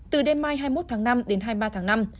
từ đêm mai hai mươi một tháng năm đến hai mươi ba tháng năm